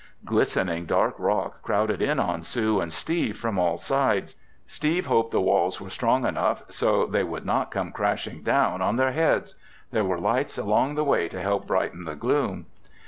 Glistening dark rock crowded in on Sue and Steve from all sides. Steve hoped the walls were strong enough so they would not come crashing down on their heads! There were lights along the way to help brighten the gloom.